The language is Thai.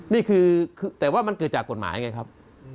นี่คือแต่ว่ามันเกิดจากกฎหมายไงครับ